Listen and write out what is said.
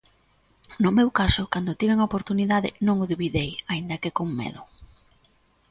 No meu caso cando tiven a oportunidade, non o dubidei, aínda que con medo.